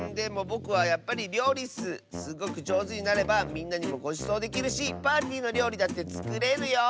すっごくじょうずになればみんなにもごちそうできるしパーティーのりょうりだってつくれるよ！